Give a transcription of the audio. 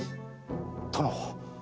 殿。